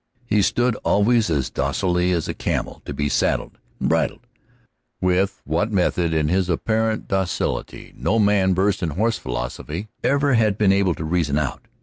He stood always as docilely as a camel to be saddled and bridled, with what method in this apparent docility no man versed in horse philosophy ever had been able to reason out.